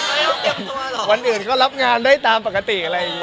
ไม่ต้องเก็บตัวเหรอวันอื่นก็รับงานได้ตามปกติอะไรอย่างนี้